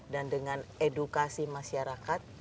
dan dengan edukasi masyarakat